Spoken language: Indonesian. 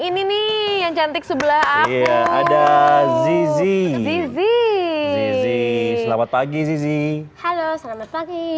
ini nih yang cantik sebelah aku ada zizi selamat pagi sisi halo selamat pagi